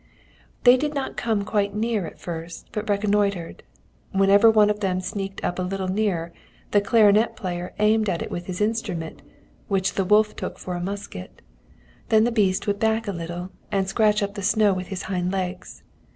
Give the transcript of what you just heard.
"They did not come quite near at first, but reconnoitred. Whenever one of them sneaked up a little nearer, the clarinet player aimed at it with his instrument, which the wolf took for a musket. Then the beast would back a little and scratch up the snow with his hind legs.